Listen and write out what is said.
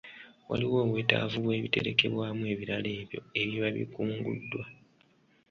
Waliwo obwetaavu bw'ebiterekebwamu ebirala ebyo ebiba bikunguddwa.